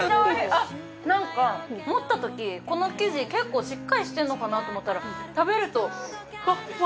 あっ、なんか持ったとき、この生地結構しっかりしてるのかなと思ったら、食べると、ふわっふわ。